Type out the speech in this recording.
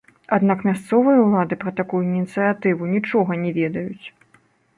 Аднак мясцовыя ўлады пра такую ініцыятыву нічога не ведаюць.